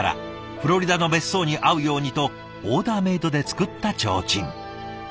フロリダの別荘に合うようにとオーダーメードで作った提灯。